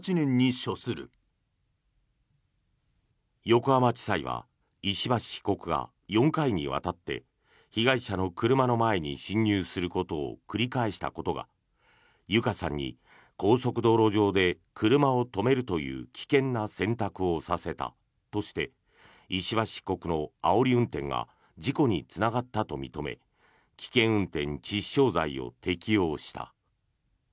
横浜地裁は石橋被告が４回にわたって被害者の車の前に進入することを繰り返したことが友香さんに高速道路上で車を止めるという危険な選択をさせたとして石橋被告のあおり運転が事故につながったと認め危険運転致死傷罪を適用した。